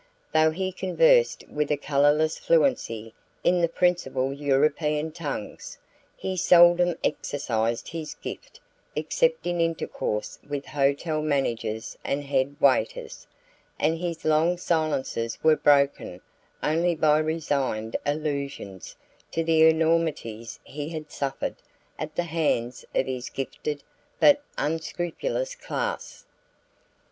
Though he conversed with a colourless fluency in the principal European tongues, he seldom exercised his gift except in intercourse with hotel managers and head waiters; and his long silences were broken only by resigned allusions to the enormities he had suffered at the hands of this gifted but unscrupulous class.